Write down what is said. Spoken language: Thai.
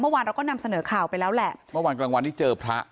เมื่อวานเราก็นำเสนอข่าวไปแล้วแหละเมื่อวานกลางวันนี้เจอพระ